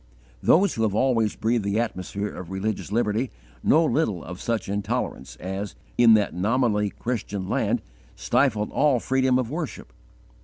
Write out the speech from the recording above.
Those who have always breathed the atmosphere of religious liberty know little of such intolerance as, in that nominally Christian land, stifled all freedom of Worship.